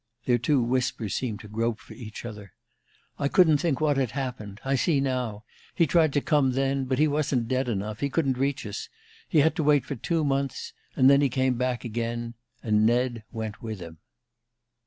Their two whispers seemed to grope for each other. "I couldn't think what had happened. I see now. He tried to come then; but he wasn't dead enough he couldn't reach us. He had to wait for two months; and then he came back again and Ned went with him."